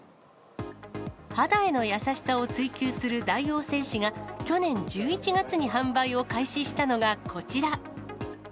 肌への優しさを追求する大王製紙が、去年１１月に販売を開始したのがこちら。